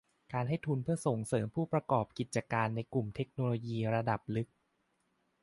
การให้ทุนเพื่อส่งเสริมผู้ประกอบกิจการในกลุ่มเทคโนโลยีระดับลึก